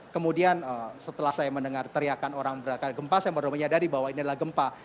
kemudian setelah saya mendengar teriakan orang berakar gempa saya baru menyadari bahwa ini adalah gempa